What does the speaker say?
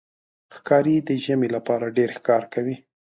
ښکاري د ژمي لپاره ډېر ښکار کوي.